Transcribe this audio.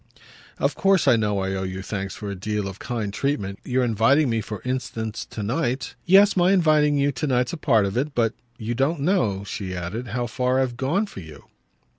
"Of course I know I owe you thanks for a deal of kind treatment. Your inviting me for instance to night !" "Yes, my inviting you to night's a part of it. But you don't know," she added, "how far I've gone for you."